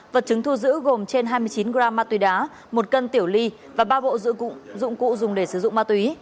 vật chứng thu giữ gồm trên hai mươi chín g ma túy đá một kg tiểu ly và ba bộ dụng cụ dùng để sử dụng ma túy